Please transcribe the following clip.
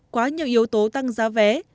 quá nhiều yếu tố tăng giá vé